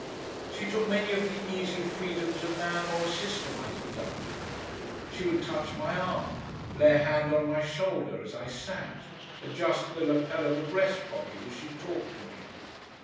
She took many of the easy freedoms a man or a sister might have done with me. She would touch my arm, lay a hand on my shoulder as I sat, adjust the lapel of a breast pocket as she talked to me.